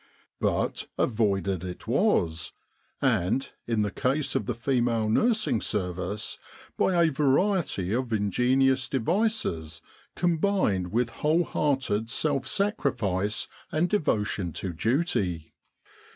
But avoided it was; and, in the case of the female nursing service, by a variety of ingenious devices combined with whole hearted self sacrifice and devotion to duty.